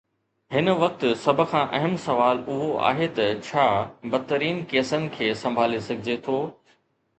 هن وقت سڀ کان اهم سوال اهو آهي ته ڇا بدترين ڪيسن کي سنڀالي سگهجي ٿو.